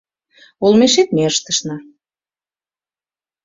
Олмешет ме ыштышна.